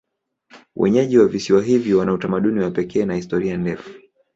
Wenyeji wa visiwa hivi wana utamaduni wa pekee na historia ndefu.